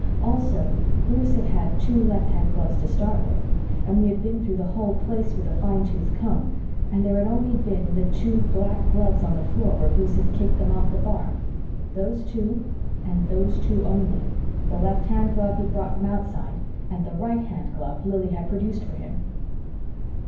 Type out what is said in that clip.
Also, Bruce had had two left hand gloves to start with, and we had been through the whole Place with a fine tooth comb, and there had been only the two black gloves on the floor where Bruce had kicked them off the bar those two and those two only, the left hand glove he'd brought from outside and the right hand glove Lili had produced for him.